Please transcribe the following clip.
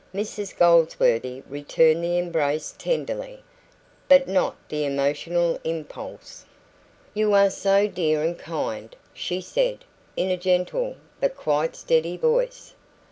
Mrs Goldsworthy returned the embrace tenderly, but not the emotional impulse. "You are so dear and kind," she said, in a gentle, but quite steady voice.